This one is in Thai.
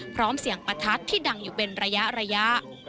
พร้อมเสียงประทัดที่ดังอยู่เป็นระยะ